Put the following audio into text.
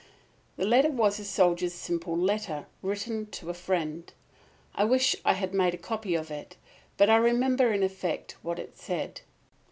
The letter was a soldier's simple letter, written to a friend. I wish I had made a copy of it; but I remember in effect what it said.